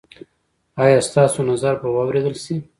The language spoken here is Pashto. ایا ستاسو نظر به واوریدل شي؟